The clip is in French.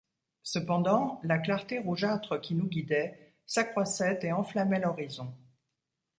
Cependant, la clarté rougeâtre qui nous guidait, s’accroissait et enflammait l’horizon.